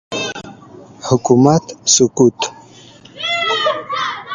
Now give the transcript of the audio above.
حکومت سقوط